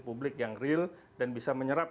publik yang real dan bisa menyerap